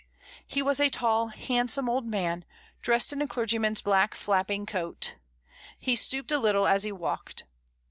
He was a tall, hand some old man, dressed in a clergyman's black flapping coat; he stooped a little as he walked.